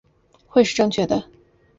会是正确的